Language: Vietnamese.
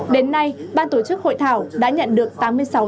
đến nay ban tổ chức hội thảo đã nhận được tám mươi sáu tham luận